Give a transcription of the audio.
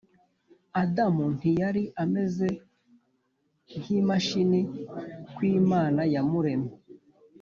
Adamu ntiyari ameze nk imashini ku Imana yamuremye